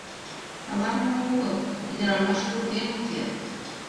Ала-мо огыл, ӱдырамаш вургем уке.